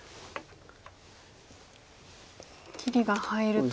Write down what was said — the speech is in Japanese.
切りが入るとまた。